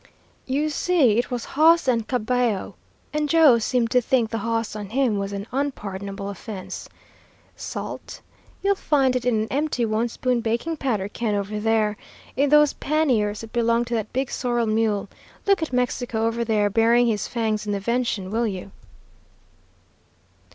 "' "You see it was hoss and cabello, and Joe seemed to think the hoss on him was an unpardonable offense. Salt? You'll find it in an empty one spoon baking powder can over there. In those panniers that belong to that big sorrel mule. Look at Mexico over there burying his fangs in the venison, will you?"